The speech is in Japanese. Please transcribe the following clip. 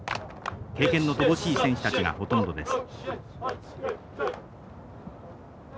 経験の乏しい選手たちがほとんどです。